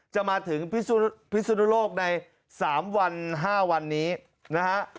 จะมาถึงพิศนุโลกใน๓วัน๕วันนี้นะฮะ